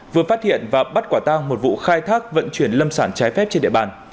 vừa phát hiện và bắt quả tang một vụ khai thác vận chuyển lâm sản trái phép trên địa bàn